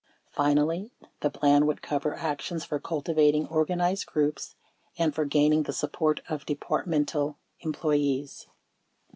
Finally, the plan would cover actions for cultivating organized groups and for gaining the support of Departmental employees.